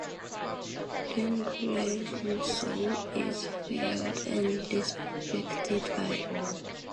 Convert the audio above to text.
Lenglensou is feared and respected by all.